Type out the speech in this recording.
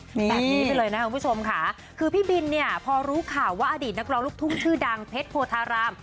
แบบนี้ไปเลยนะคุณผู้ชมค่ะคือพี่บินเนี่ยพอรู้ข่าวว่าอดีตนักร้องลูกทุ่งชื่อดังเพชรโพธาราม